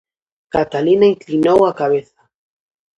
Catalina inclinou a cabeza.